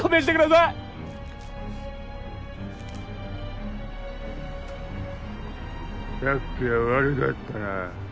さっきは悪かったなぁ。